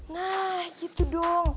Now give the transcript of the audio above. nah gitu dong